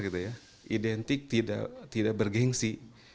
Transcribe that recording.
identik tidak bergensi